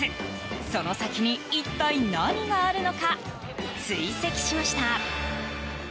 その先に、一体何があるのか追跡しました。